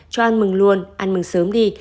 cho ăn mừng luôn ăn mừng sớm đi